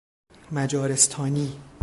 مجارستانی